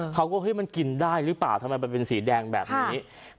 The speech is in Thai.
เขาก็เฮ้ยมันกินได้หรือเปล่าทำไมมันเป็นสีแดงแบบนี้